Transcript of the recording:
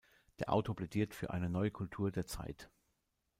Der Autor plädiert für eine "neue Kultur der Zeit".